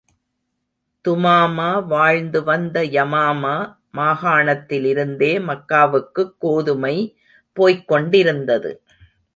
துமாமா வாழ்ந்து வந்த யமாமா மாகாணத்திலிருந்தே மக்காவுக்குக் கோதுமை போய்க் கொண்டிருந்தது.